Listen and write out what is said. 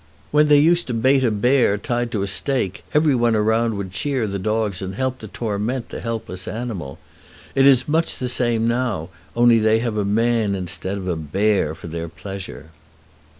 When they used to bait a bear tied to a stake, every one around would cheer the dogs and help to torment the helpless animal. It is much the same now, only they have a man instead of a bear for their pleasure."